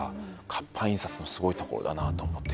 活版印刷のすごいところだなと思ってます。